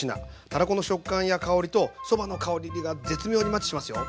たらこの食感や香りとそばの香りが絶妙にマッチしますよ。